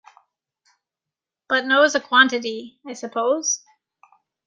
But knows a quantity, I suppose?